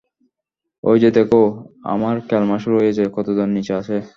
ঐযে দেখো, আমার কেলমা শুরু হয়েছে - কতজন নিচে আছে?